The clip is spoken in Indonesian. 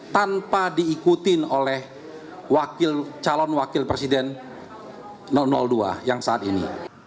tanpa diikutin oleh calon wakil presiden dua yang saat ini